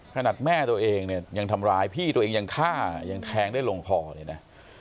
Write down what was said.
แม่ตัวเองเนี่ยยังทำร้ายพี่ตัวเองยังฆ่ายังแทงได้ลงคอเลยนะ